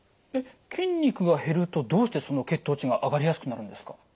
筋肉が減るとどうしてその血糖値が上がりやすくなるんですか？